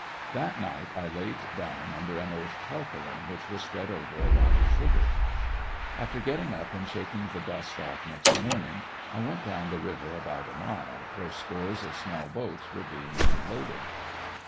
That night I laid down under an old tarpaulin which was spread over a lot of sugar. After getting up and shaking the dust off next morning, I went down the river about a mile where scores of small boats were being unloaded.